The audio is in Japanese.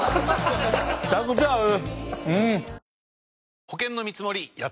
むちゃくちゃ合う。